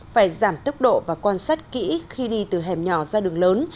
phải giảm tốc độ và quan sát kỹ khi đi từ hẻm nhỏ ra đường lớn